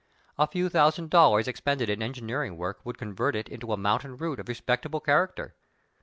A few thousand dollars expended in engineering work would convert it into a mountain route of respectable character.